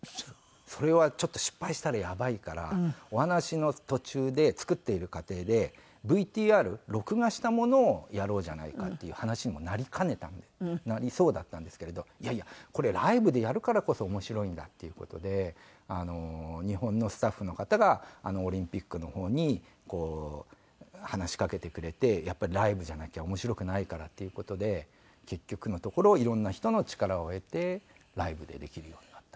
それはちょっと失敗したらやばいからお話の途中で作っている過程でＶＴＲ録画したものをやろうじゃないかっていう話にもなりかねたなりそうだったんですけれどいやいやライブでやるからこそ面白いんだっていう事で日本のスタッフの方がオリンピックの方にこう話しかけてくれてやっぱりライブじゃなきゃ面白くないからっていう事で結局のところいろんな人の力を得てライブでできるようになった。